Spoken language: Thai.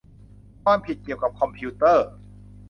ความผิดเกี่ยวกับคอมพิวเตอร์